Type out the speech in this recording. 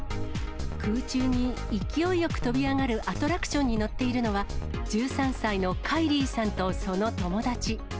空中に勢いよく飛び上がるアトラクションに乗っているのは、１３歳のカイリーさんとその友達。